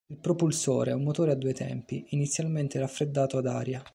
Il propulsore è un motore a due tempi, inizialmente raffreddato ad aria.